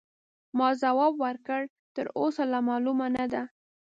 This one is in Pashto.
ما ځواب ورکړ: تراوسه لا معلومه نه ده.